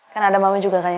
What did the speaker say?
ya dia mati lagi aja